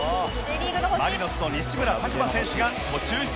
マリノスの西村拓真選手が途中出場しました